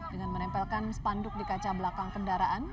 dengan menempelkan spanduk di kaca belakang kendaraan